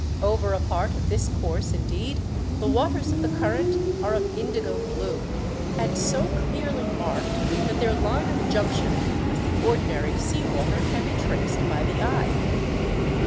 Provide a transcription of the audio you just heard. Over a part of this course, indeed, the waters of the current are of indigo blue, and so clearly marked that their line of junction with the ordinary sea water can be traced by the eye.